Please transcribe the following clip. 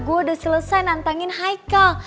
gue udah selesai nantangin haikal